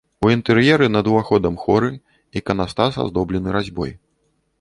У інтэр'еры над уваходам хоры, іканастас аздоблены разьбой.